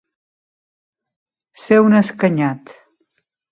Ser un escanyat.